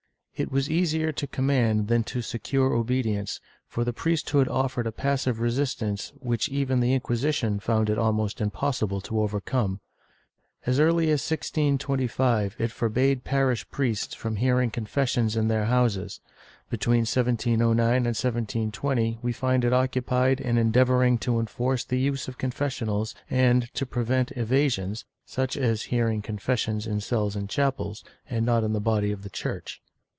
^ It was easier to command than to secure obedience, for the priesthood offered a passive resistance which even the Inquisition found it almost impossible to over come. As early as 1625 it forbade parish priests from hearing confessions in their houses; between 1709 and 1720 we find it occupied in endeavoring to enforce the use of confessionals and, to prevent evasions, such as hearing confessions in cells and chapels, and not in the body of the church.